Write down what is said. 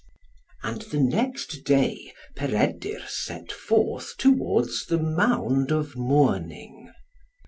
And the next day Peredur set forth towards the Mound of Mourning.